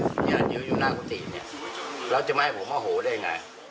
ผมก็อยู่ตรงนี้เนี่ยเขามาถามผม